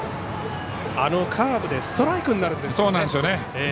あのカーブでストライクになるんですね。